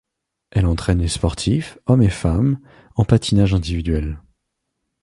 Elle entraine les sportifs, hommes et femmes, en patinage individuel.